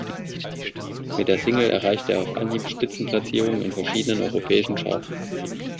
Mit der Single erreichte er auf Anhieb Spitzenplatzierungen in verschiedenen europäischen Charts.